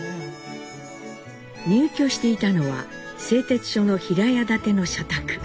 入居していたのは製鉄所の平屋建ての社宅。